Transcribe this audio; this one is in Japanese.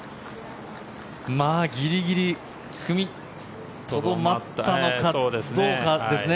ギリギリ踏みとどまったのかどうかですね。